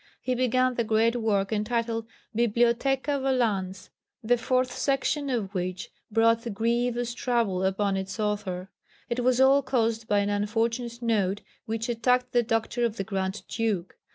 He began the great work entitled Bibliotheca volans, the fourth section of which brought grievous trouble upon its author. It was all caused by an unfortunate note which attacked the doctor of the Grand Duke.